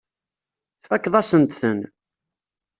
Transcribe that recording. Tfakkeḍ-asent-ten.